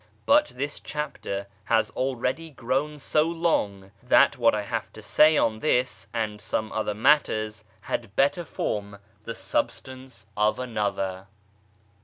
But this chapter has already grown so long that what I have to say on this and some other matters had better form the substance of another.